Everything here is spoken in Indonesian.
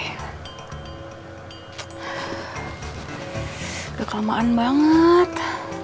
udah kelamaan banget